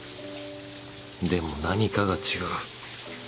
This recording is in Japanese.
でも何かが違う。